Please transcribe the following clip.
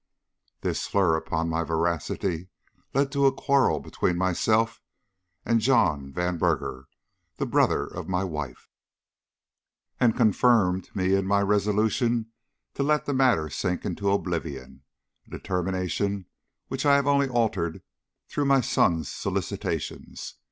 This slur upon my veracity led to a quarrel between myself and John Vanburger, the brother of my wife, and confirmed me in my resolution to let the matter sink into oblivion a determination which I have only altered through my son's solicitations.